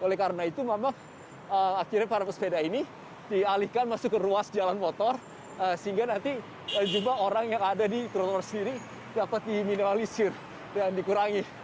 oleh karena itu memang akhirnya para pesepeda ini dialihkan masuk ke ruas jalan motor sehingga nanti jumlah orang yang ada di trotoar sendiri dapat diminimalisir dan dikurangi